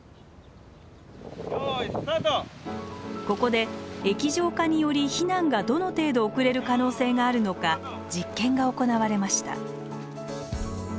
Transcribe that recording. ここで液状化により避難がどの程度遅れる可能性があるのか実験が行われました。